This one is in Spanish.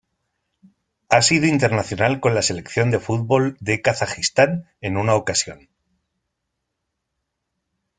Ha sido internacional con la Selección de fútbol de Kazajistán en una ocasión.